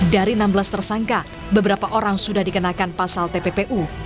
dari enam belas tersangka beberapa orang sudah dikenakan pasal tppu